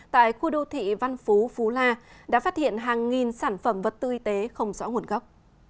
tại khu đô thị văn phú phú la đã phát hiện hàng nghìn sản phẩm vật tư y tế không rõ nguồn gốc